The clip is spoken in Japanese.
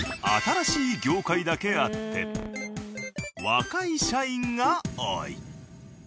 新しい業界だけあって若い社員が多い。